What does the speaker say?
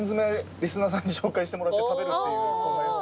リスナーさんに紹介してもらって食べるっていうコーナーやってて。